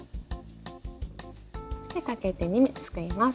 そしてかけて２目すくいます。